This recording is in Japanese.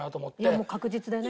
いやもう確実でね。